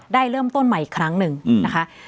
ได้เริ่มต้นใหม่อีกครั้งหนึ่งนะคะ